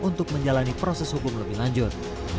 untuk menjalani proses hukum lebih lanjut